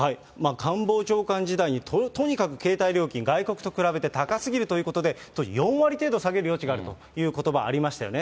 官房長官時代にとにかく携帯料金、外国と比べて高すぎるということで、４割程度下げる余地があるということばがありましたよね。